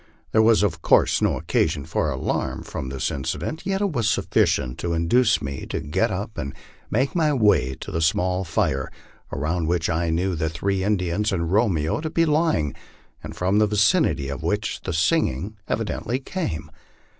There was, of course, no occa sion for alarm from this incident, yet it was sufficient to induce me to get up and make my way to the small fire, around which I knew the three Indians and Romeo to.be lying, and from the vicinity of which the singing evidently came.